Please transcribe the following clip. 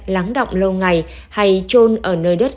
láng động lâu ngày hay trôn ở nơi đất